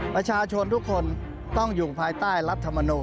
ประชาชนทุกคนต้องอยู่ภายใต้รัฐมนูล